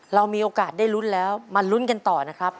เรามีโอกาสได้ลุ้นแล้วมาลุ้นกันต่อนะครับ